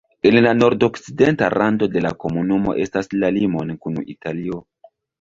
En la nordokcidenta rando de la komunumo estas la limon kun Italio.